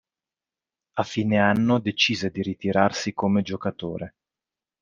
A fine anno decise di ritirarsi come giocatore.